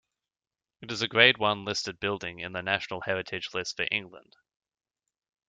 It is a Grade One listed building in the National Heritage List for England.